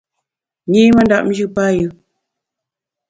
Nyi mandap njù payù.